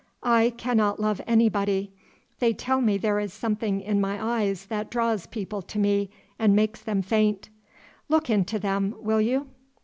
I cannot love anybody. They tell me there is something in my eyes that draws people to me and makes them faint: Look into them, will you?"